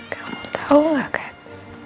kamu tau gak gad